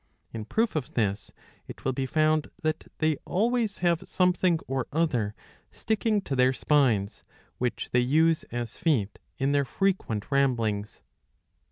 In proof of this, it will be found that they always have something or other sticking to their spines, which they use as feet in their frequent ramblings.